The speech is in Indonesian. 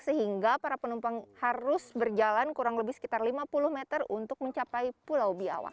sehingga para penumpang harus berjalan kurang lebih sekitar lima puluh meter untuk mencapai pulau biawak